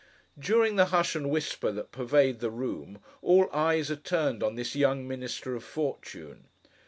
During the hush and whisper that pervade the room, all eyes are turned on this young minister of fortune.